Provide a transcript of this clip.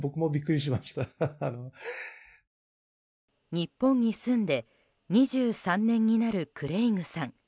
日本に住んで２３年になるクレイグさん。